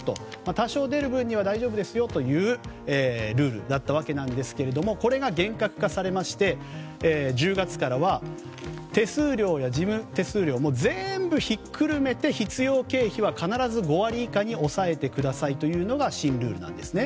多少、出る分には大丈夫ですよというルールだったわけなんですがこれが厳格化されまして１０月からは手数料や事務手数料全部ひっくるめて必要経費は必ず５割以下には抑えてくださいというのが新ルールなんですね。